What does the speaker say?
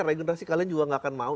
regenerasi kalian juga gak akan mau